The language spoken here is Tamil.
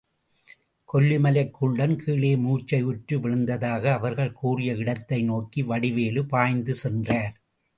கொல்லிமலைக் குள்ளன் கீழே மூர்ச்சையுற்று விழுந்ததாக அவர்கள் கூறிய இடத்தை நோக்கி வடிவேலு பாய்ந்து சென்றார்.